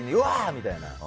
みたいな。